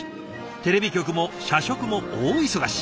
テレビ局も社食も大忙し。